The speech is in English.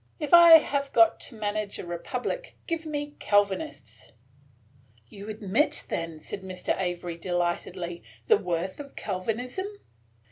If I have got to manage a republic, give me Calvinists." "You admit, then," said Mr. Avery, delightedly, "the worth of Calvinism."